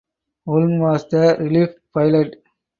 Ulm was the relief pilot.